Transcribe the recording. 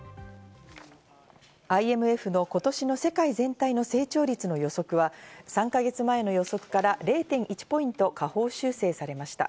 ＩＭＦの今年の世界全体の成長率の予測は３か月前の予測から０．１ポイント下方修正されました。